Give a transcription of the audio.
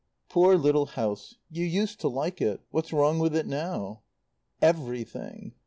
"Poor little house. You used to like it. What's wrong with it now?" "Everything.